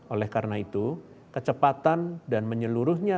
oleh karena itu kecepatan dan menyeluruhnya